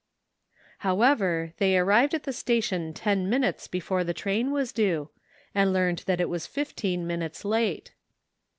However, they arrived at the station ten min utes before the train was due, and learned that it was fifteen minutes late.